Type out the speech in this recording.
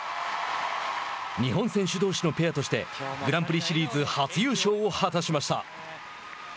日本選手どうしのペアとしてグランプリシリーズ初優勝を果たしました。